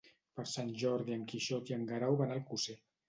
Per Sant Jordi en Quixot i en Guerau van a Alcosser.